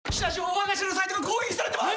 わが社のサイトが攻撃されてます！